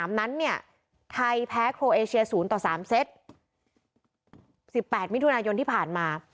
๑๘มิถุนายนที่ผ่านมา